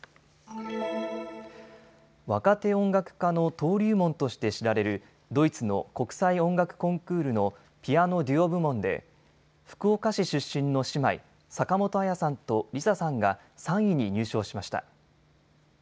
若手音楽家の登竜門として知られるドイツの国際音楽コンクールのピアノデュオ部門で福岡市出身の姉妹、坂本彩さんとリサさんが３位に入賞しました。